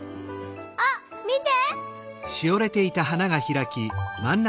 あっみて！